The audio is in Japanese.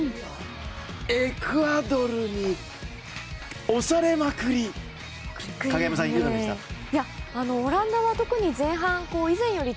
エクアドルに恐れまくり。